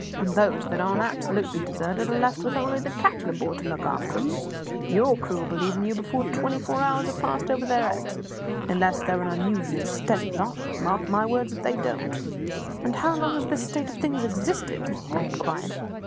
And those that aren't absolutely deserted are left with only the cap'n aboard to look after 'em. Your crew'll be leaving you before twenty four hours are passed over their heads unless they're an unusually steady lot mark my words if they don't." "And how long has this state of things existed?" I inquired.